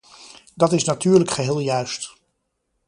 Dat is natuurlijk geheel juist.